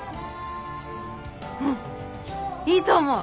うんいいと思う！